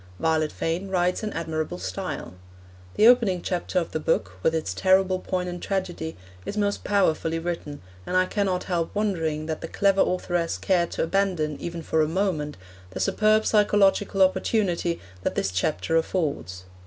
Violet Fane writes an admirable style. The opening chapter of the book, with its terrible poignant tragedy, is most powerfully written, and I cannot help wondering that the clever authoress cared to abandon, even for a moment, the superb psychological opportunity that this chapter affords.